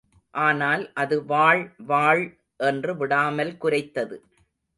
ஆனால் அது வாள் வாள் என்று விடாமல் குரைத்தது.